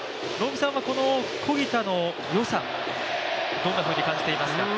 小木田のよさ、どんなふうに感じていますか。